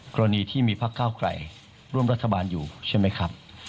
กรณีที่มีพักเก้าไกลร่วมรัฐบาลอยู่ใช่ไหมครับ